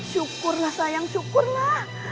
syukurlah sayang syukurlah